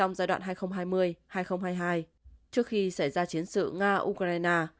trong giai đoạn hai nghìn hai mươi hai nghìn hai mươi hai trước khi xảy ra chiến sự nga ukraine